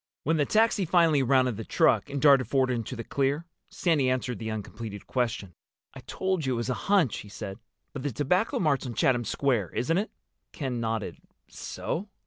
When the taxi finally rounded the truck and darted forward into the clear, Sandy answered the uncompleted question. "I told you it was a hunch," he said. "But the Tobacco Mart's on Chatham Square, isn't it?" Ken nodded. "So?"